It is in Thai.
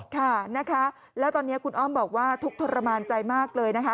ค่ะนะคะแล้วตอนนี้คุณอ้อมบอกว่าทุกข์ทรมานใจมากเลยนะคะ